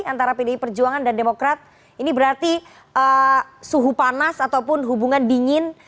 antara pdi perjuangan dan demokrat ini berarti suhu panas ataupun hubungan dingin